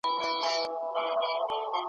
ماته مه راځه خزانه زه پخوا یم رژېدلی ,